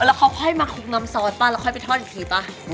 แล้วเขาค่อยมาคลุกน้ำซอสป่ะแล้วค่อยไปทอดอีกทีป่ะ